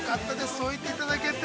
そう言っていただけて。